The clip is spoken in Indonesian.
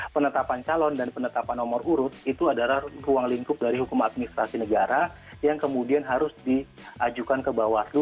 penetapan calon dan penetapan nomor urut itu adalah ruang lingkup dari hukum administrasi negara yang kemudian harus diajukan ke bawaslu